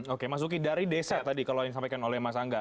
oke mas uki dari desa tadi kalau yang disampaikan oleh mas angga